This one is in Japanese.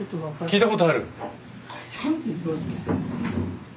聞いたことある？